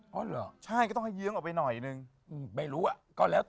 สัมพเวศีเนี่ยต้องไหว้ข้างนอกตรงทางสามแพงหรือว่าบริเวณถนนไหว้หน้าบ้านยังไม่มาไหว้เลย